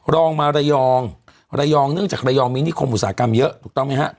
รองมาระยองระยองเนื่องจากระยองมีนิคมอุตสาหกรรมเยอะถูกต้องไหมฮะ